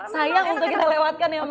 sayang untuk kita lewatkan ya mas